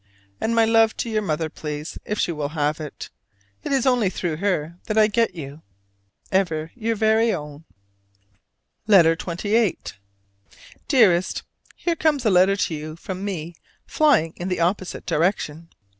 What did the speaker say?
And my love to your mother, please, if she will have it. It is only through her that I get you. Ever your very own. LETTER XXVIII. Dearest: Here comes a letter to you from me flying in the opposite direction.